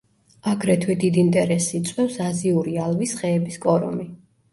აგრეთვე დიდ ინტერესს იწვევს აზიური ალვის ხეების კორომი.